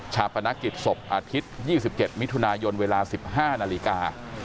ปนักกิจศพอาทิตย์๒๗มิถุนายนเวลา๑๕นาฬิกา